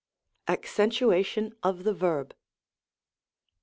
ACCENTUATION OF THE VERB.